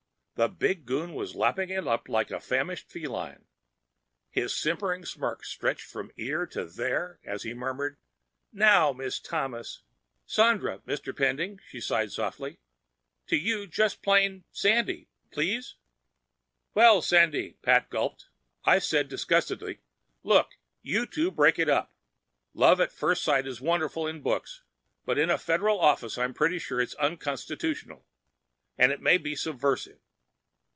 The big goon was lapping it up like a famished feline. His simpering smirk stretched from ear to there as he murmured, "Now, Miss Thomas—" "Sandra, Mr. Pending," she sighed softly. "To you just plain ... Sandy. Please?" "Well, Sandy—" Pat gulped. I said disgustedly, "Look, you two—break it up! Love at first sight is wonderful in books, but in a Federal office I'm pretty sure it's unconstitutional, and it may be subversive.